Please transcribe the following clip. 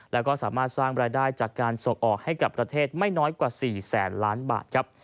แล้วก็สามารถสร้างรายได้จากการส่งออกให้กับประเทศไม่น้อยกว่า๔แสนล้านบาทครับ